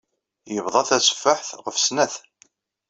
Yebḍa tateffaḥt ɣef snat.